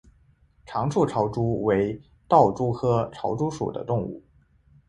长触潮蛛为盗蛛科潮蛛属的动物。